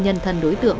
nhân thân đối tượng